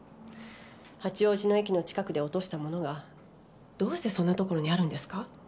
八王子の駅の近くで落とした物がどうしてそんなところにあるんですか？